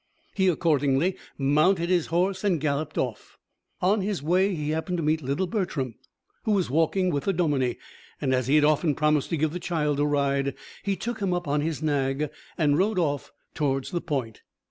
He accordingly mounted his horse and galloped off. On his way he happened to meet little Bertram, who was walking with the dominie, and as he had often promised to give the child a ride, he took him up on his nag, and rode off towards the Point.